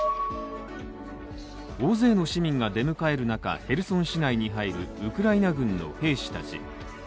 大勢の市民が出迎える中、ヘルソン市内に入るウクライナ軍の兵士たち。